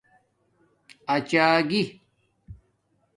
اچاگی